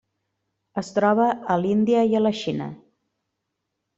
Es troba a l'Índia i a la Xina.